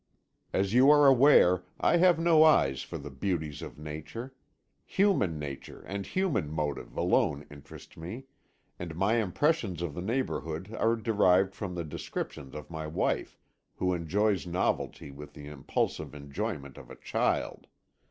As you are aware, I have no eyes for the beauties of Nature; human nature and human motive alone interest me, and my impressions of the neighbourhood are derived from the descriptions of my wife, who enjoys novelty with the impulsive enjoyment of a child.